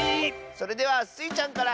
それではスイちゃんから！